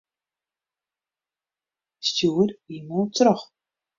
Stjoer e-mail troch.